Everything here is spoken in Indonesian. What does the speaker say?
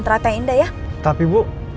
teratai indah ya tapi bu